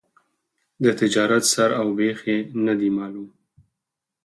د تجارت سر او بېخ یې نه دي معلوم.